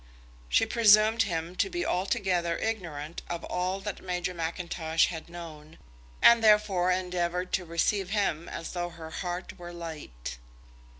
She presumed him to be altogether ignorant of all that Major Mackintosh had known, and therefore endeavoured to receive him as though her heart were light.